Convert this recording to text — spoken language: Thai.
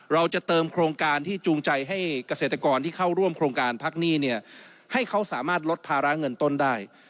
เราจะเติมโครงการที่จูงใจให้เกษตรกรที่เข้าร่วมโครงการพักหนี้เนี่ยให้เขาสามารถลดภาระเงินต้นได้